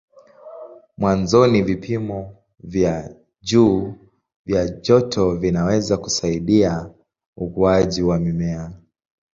Mwanzoni vipimo vya juu vya joto vinaweza kusaidia ukuaji wa mimea.